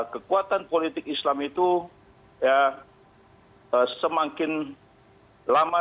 kekuatan politik islam itu semakin lama